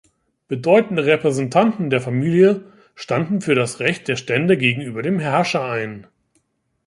Bedeutende Repräsentanten der Familie standen für das Recht der Stände gegenüber dem Herrscher ein.